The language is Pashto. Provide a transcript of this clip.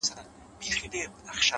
مهرباني بې له تمې ورکول دي؛